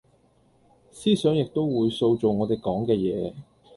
思想亦都會塑造我地講嘅野